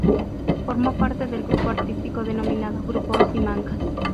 Formó parte del grupo artístico denominado "Grupo Simancas".